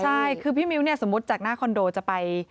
ใช่คือพี่มิ้วเนี่ยสมมุติจากหน้าคอนโดจะไป